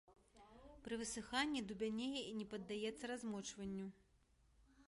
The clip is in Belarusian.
Пры высыханні дубянее і не паддаецца размочванню.